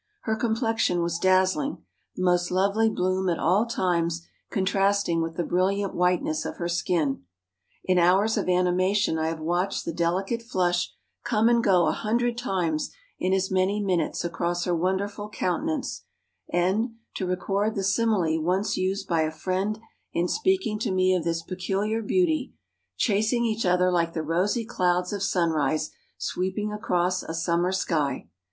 Her complexion was dazzling, the most lovely bloom at all times contrasting with the brilliant whiteness of her skin. In hours of animation I have watched the delicate flush come and go a hundred times in as many minutes across her wonderful countenance; and, to record the simile once used by a friend in speaking to me of this peculiar beauty, 'chasing each other like the rosy clouds of sunrise sweeping across a summer sky.